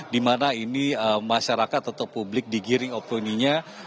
di mana ini masyarakat atau publik digiring opini nya